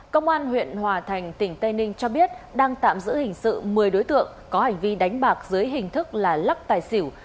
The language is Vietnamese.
công an huyện hòa thành tỉnh tây ninh cho biết đang tạm giữ hình sự một mươi đối tượng có hành vi đánh bạc dưới hình thức là lắc tài xỉu